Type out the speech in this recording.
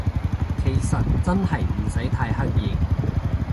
其實真係唔使太刻意